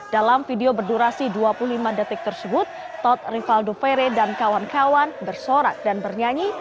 dalam video berdurasi dua puluh lima detik tersebut tod rivaldo fere dan kawan kawan bersorak dan bernyanyi